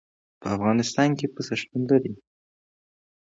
په افغانستان کې پسه شتون لري.